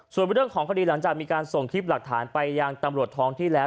ส่วนเรื่องของคดีหลังจากมีการส่งคลิปหลักฐานไปยังตำรวจท้องที่แล้ว